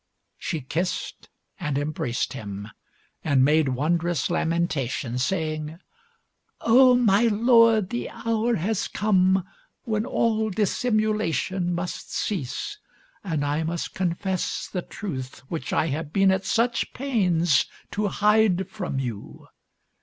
She kissed and embraced him, and made wondrous lamentation, saying "O my lord, the hour has come when all dissimulation must cease, and I must confess the truth which I have been at such pains to hide from you.